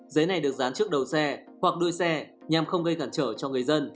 giấy này được dán trước đầu xe hoặc đuôi xe nhằm không gây cản trở cho người dân